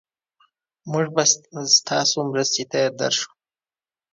مونږ به ستاسو مرستې ته درشو.